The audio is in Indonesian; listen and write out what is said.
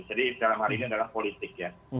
jadi dalam hal ini adalah politik ya